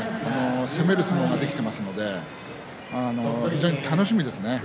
攻める相撲ができていますので非常に楽しみですね。